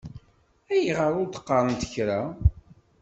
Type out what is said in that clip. Ayɣer ur d-qqaṛent kra?